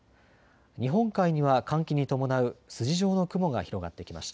日本海には寒気に伴う筋状の雲が広がってきました。